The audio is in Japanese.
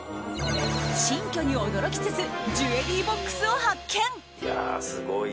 新居に驚きつつジュエリーボックスを発見。